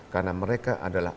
karena mereka adalah